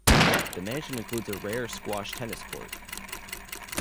The mansion includes a rare squash tennis court.